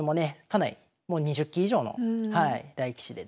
かなりもう２０期以上の大棋士でですね